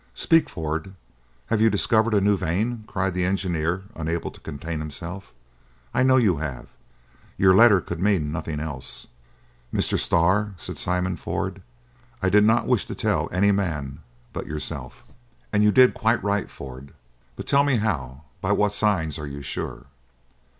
"Speak, Ford! Have you discovered a new vein?" cried the engineer, unable to contain himself. "I know you have! Your letter could mean nothing else." "Mr. Starr," said Simon Ford, "I did not wish to tell any man but yourself." "And you did quite right, Ford. But tell me how, by what signs, are you sure?"